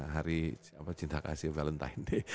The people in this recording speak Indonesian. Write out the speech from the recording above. hari cinta kasih valentine